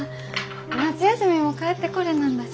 夏休みも帰ってこれなんだし。